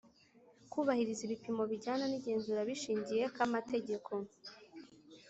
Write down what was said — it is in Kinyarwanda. Kubahiriza ibipimo bijyana n’igenzura bishingiye k’amategeko